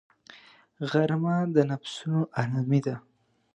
غرمه د نفسونو آرامي ده